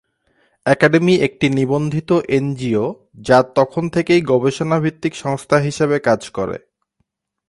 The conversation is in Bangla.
একাডেমি একটি নিবন্ধিত এনজিও যা তখন থেকেই গবেষণা-ভিত্তিক সংস্থা হিসেবে কাজ করে।